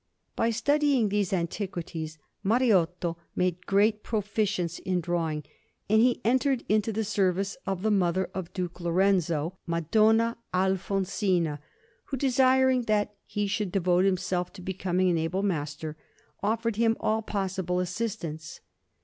By studying these antiquities, Mariotto made great proficience in drawing; and he entered into the service of the mother of Duke Lorenzo, Madonna Alfonsina, who, desiring that he should devote himself to becoming an able master, offered him all possible assistance.